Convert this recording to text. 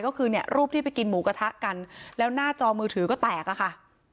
ก็คือเนี่ยรูปที่ไปกินหมูกระทะกันแล้วหน้าจอมือถือก็แตกอะค่ะ